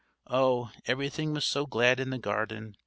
Oh! everything was glad in the garden.